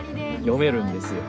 読めるんですよ。